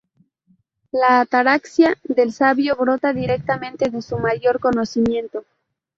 La ataraxia del sabio brota directamente de su mayor conocimiento.